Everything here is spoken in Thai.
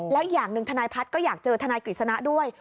แล้วอย่างหนึ่งทนายพัฒน์ก็อยากเจอทนายกฤษณะด้วย